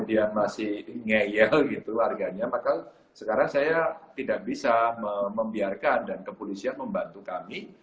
dia masih ngeyel gitu warganya maka sekarang saya tidak bisa membiarkan dan kepolisian membantu kami